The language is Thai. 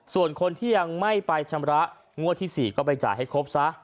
ส่วนคนที่ยังไม่ไปชำระงวดที่๔ก็ไปจ่ายให้ครบซะ